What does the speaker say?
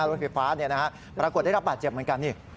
รถไฟฟ้าเนี่ยนะปรากฏได้รับบาดเจ็บเหมือนกัน